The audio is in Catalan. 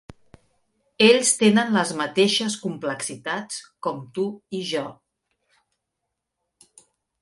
Ells tenen les mateixes complexitats com tu i jo.